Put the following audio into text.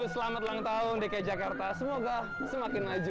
selamat ulang tahun dki jakarta semoga semakin maju